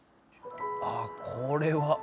あこれは。